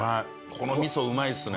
このみそうまいっすね。